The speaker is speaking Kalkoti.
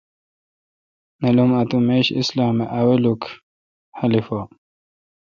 نل م اتوں میش تہ اسلام اے°اوّلک خلیفہ